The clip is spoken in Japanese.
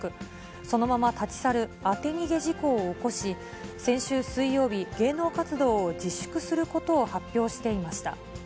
そのまま立ち去る、当て逃げ事故を起こし、先週水曜日、芸能活動を自粛することを発表していました。